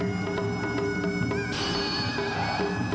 tni terhadap pahlawan tni memperoleh menyebabkan kegiatan